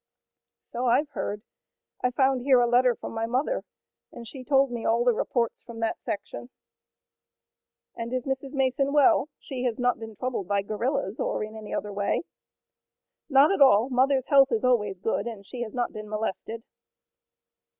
"So I've heard. I found here a letter from my mother, and she told me all the reports from that section." "And is Mrs. Mason well? She has not been troubled by guerillas, or in any other way?" "Not at all. Mother's health is always good, and she has not been molested."